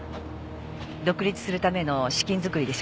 独立するための資金作りでしょ？